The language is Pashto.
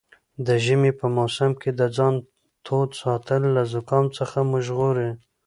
د ژمي په موسم کې د ځان تود ساتل له زکام څخه مو ژغوري.